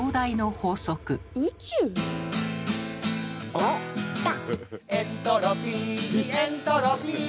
おっきた！